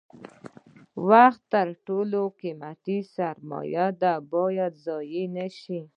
وخت تر ټولو قیمتي سرمایه ده باید ضایع نشي.